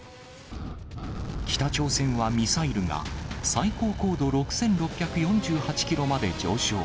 北朝鮮はミサイルが、最高高度６６４８キロまで上昇。